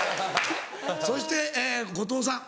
そして後藤さん。